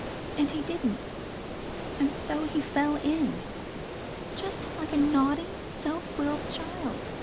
And he didn't, and so he fell in. Just like a naughty, self willed child.